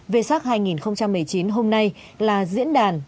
vê sắc hai nghìn một mươi chín hôm nay là diễn đàn